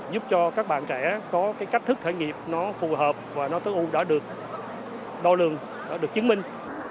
giúp cho các bạn trẻ có cái cách thức khởi nghiệp nó phù hợp và nó tối ưu đã được đo lường đã được chứng minh